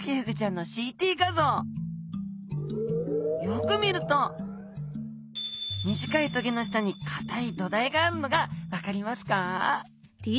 よく見ると短い棘の下にかたい土台があるのが分かりますか？